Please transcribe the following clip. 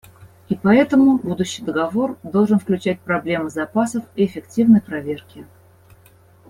И поэтому будущий договор должен включать проблемы запасов и эффективной проверки.